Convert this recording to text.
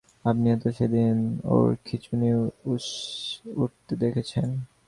আপনিই তো সেদিন ওর খিঁচুনি উঠতে দেখেছেন।